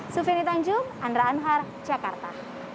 sufini tanjung andra anhar jakarta